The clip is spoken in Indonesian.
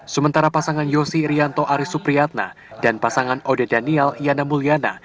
sementara pasangan yosi rianto aris supriyatna dan pasangan ode daniel yana mulyana